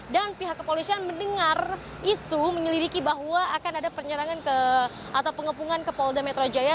dan pihak kepolisian mendengar isu menyelidiki bahwa akan ada penyerangan atau pengepungan ke polda metro jaya